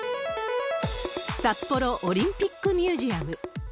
札幌オリンピックミュージアム。